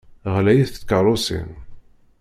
Ɣlayit tkeṛṛusin.